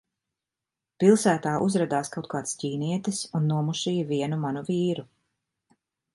Pilsētā uzradās kaut kāds ķīnietis un nomušīja vienu manu vīru.